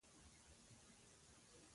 روی معرفي کړ.